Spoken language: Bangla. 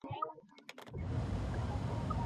এ তোমার বৈঠকখানায় রাখিয়া বসিয়া বসিয়া নিরীক্ষণ করোগে।